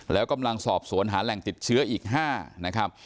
แล้วกำลังสอบสวนหาแหล่งติดเชื้ออีก๕นะครับ